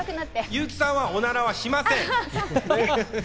優木さんはオナラはしません。